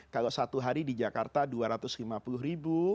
kalau satu hari di jakarta dua ratus lima puluh ribu